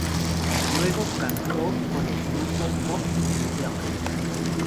Luego cantó con el grupo pop Pintura Fresca.